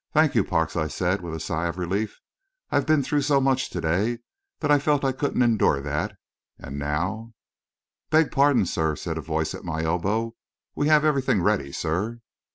"Thank you, Parks," I said, with a sigh of relief. "I've been through so much to day, that I felt I couldn't endure that; and now " "Beg pardon, sir," said a voice at my elbow; "we have everything ready, sir."